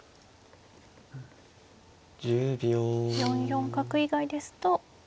４四角以外ですと。